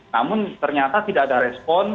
namun ternyata tidak ada respon